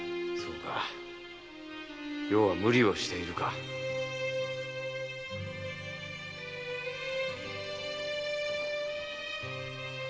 〔そうか余は無理をしているか〕